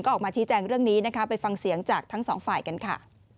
ออกมาชี้แจงเรื่องนี้นะคะไปฟังเสียงจากทั้งสองฝ่ายกันค่ะ